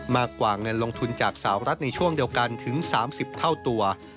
มากกว่าเงินลงทุนจากสาวรัฐในช่วงเดียวกันถึง๓๐เท่าตัว